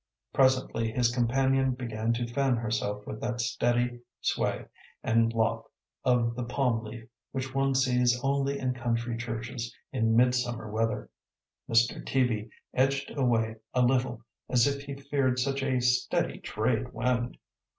Presently his companion began to fan herself with that steady sway and lop of the palm leaf which one sees only in country churches in midsummer weather. Mr. Teaby edged away a little, as if he feared such a steady trade wind.